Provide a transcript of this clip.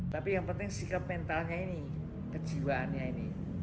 tapi yang penting sikap mentalnya ini kejiwaannya ini